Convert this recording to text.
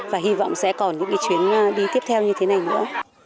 và hy vọng sẽ còn những cái chuyến đi tiếp theo như thế này nữa